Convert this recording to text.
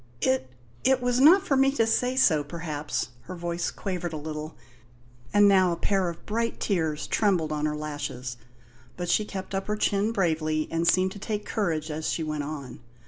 "It it was not for me to say so, perhaps." Her voice quavered a little, and now a pair of bright tears trembled on her lashes; but she kept up her chin bravely and seemed to take courage as she went on.